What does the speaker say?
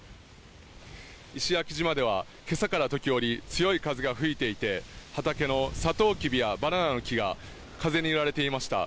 石焼島ではけさから時折強い風が吹いていて畑のサトウキビやバナナの木が風に揺られていました